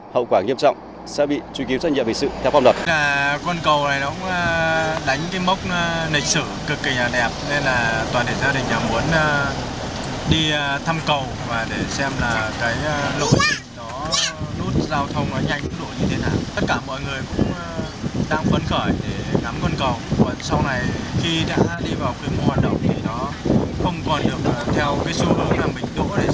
hậu quả nghiêm trọng sẽ bị truy kiếm trách nhiệm hình sự theo phong đoạn